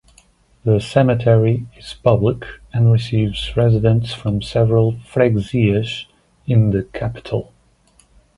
The cemetery is public and receives residents from several "freguesias" in the capital.